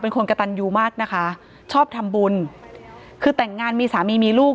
เป็นคนกระตันยูมากนะคะชอบทำบุญคือแต่งงานมีสามีมีลูก